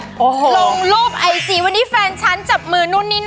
ลงรูปไอจีวันนี้แฟนฉันจับมือนู่นนี่นั่น